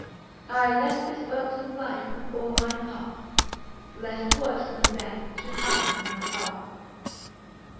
I left this irksome life with all mine heart, Lest worse than death should happen to my part.